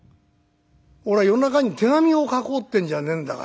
「俺は夜中に手紙を書こうってんじゃねんだから。